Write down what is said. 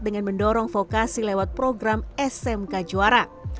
dan diadakan oleh program smk juara